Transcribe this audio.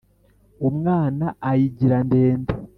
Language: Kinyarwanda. umwana ayigira ndende,